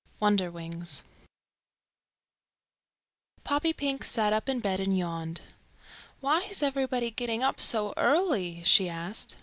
] Wonderwings Poppypink sat up in bed and yawned. "Why is everybody getting up so early?" she asked.